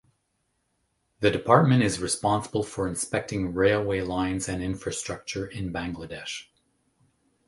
The department is responsible for inspecting railway lines and infrastructure in Bangladesh.